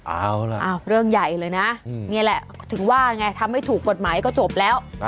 เอาล่ะเรื่องใหญ่เลยนะนี่แหละถึงว่าไงทำไม่ถูกกฎหมายก็จบแล้ว